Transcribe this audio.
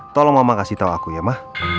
tolong mama kasih tau aku ya ma